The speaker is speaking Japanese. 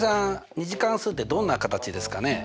２次関数ってどんな形ですかね？